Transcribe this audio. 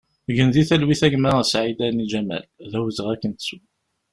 Gen di talwit a gma Saïdani Ǧamel, d awezɣi ad k-nettu!